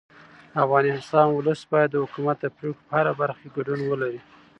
د افغانستان ولس باید د حکومت د پرېکړو په هره برخه کې ګډون ولري